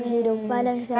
kehidupan dan kesehatan juga